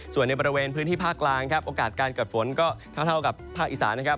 ส่วนในบริเวณพื้นที่ภาคกลางครับโอกาสการเกิดฝนก็เท่ากับภาคอีสานนะครับ